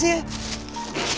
sepertinya di sini